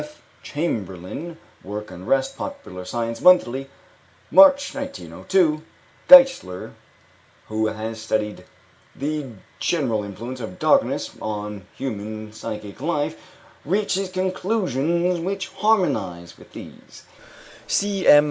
F. Chamberlain, "Work and Rest," Popular Science Monthly, March, 1902). Giessler, who has studied the general influence of darkness on human psychic life, reaches conclusions which harmonize with these (C.M.